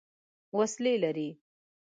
وسلې لري.